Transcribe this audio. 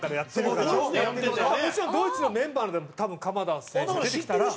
もちろんドイツのメンバーの中で多分鎌田選手出てきたら。